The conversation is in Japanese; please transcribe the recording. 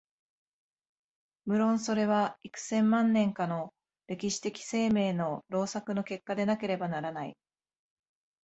無論それは幾千万年かの歴史的生命の労作の結果でなければならない。